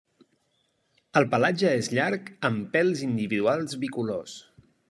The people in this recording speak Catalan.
El pelatge és llarg amb, pèls individuals bicolors.